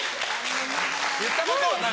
言ったことはない。